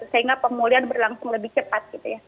sehingga pemulihan berlangsung lebih cepat